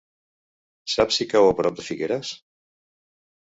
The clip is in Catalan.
Saps si cau a prop de Figueres?